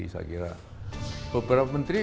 saya kira beberapa menteri